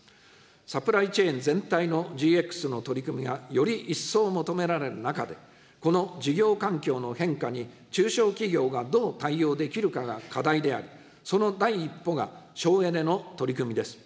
サプライチェーン全体のＧＸの取り組みがより一層求められる中で、この事業環境の変化に中小企業がどう対応できるかが課題であり、その第一歩が省エネの取り組みです。